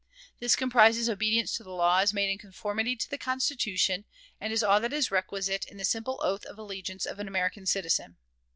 This comprises obedience to the laws made in conformity to the Constitution, and is all that is requisite in the simple oath of allegiance of an American citizen.